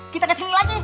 kita kesini lagi